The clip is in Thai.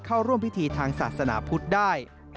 เข้าร่วมสรุปทางทางศาสนาพุทธได้